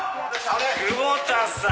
久保田さん。